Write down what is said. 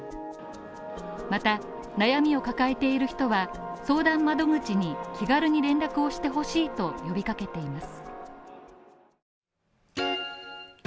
また、悩みを抱えている人は相談窓口に気軽に連絡をしてほしいと呼びかけています